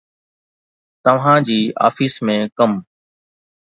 توهان جي آفيس ۾ ڪم.